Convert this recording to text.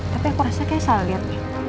tapi aku rasa kayak salah liat